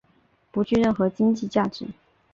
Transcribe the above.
不具任何经济价值。